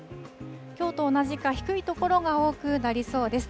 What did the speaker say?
きょうと同じか、低い所が多くなりそうです。